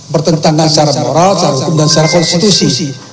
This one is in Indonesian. bertentangan secara moral hukum dan secara konstitusi